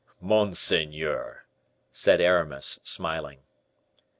"Monseigneur!" said Aramis, smiling.